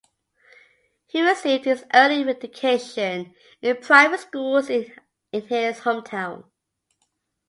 He received his early education in private schools in his hometown.